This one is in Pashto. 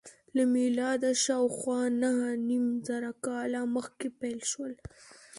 له میلاده شاوخوا نهه نیم زره کاله مخکې پیل شول.